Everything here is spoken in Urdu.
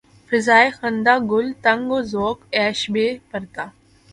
فضائے خندۂ گل تنگ و ذوق عیش بے پردا